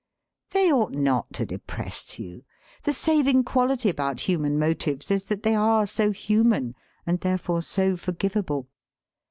They ought not to depress you. The saving quality about human motives is that they are so human, and therefore so forgivable.